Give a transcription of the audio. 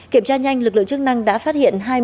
kiểm tra nhanh lực lượng chức năng đã phát hiện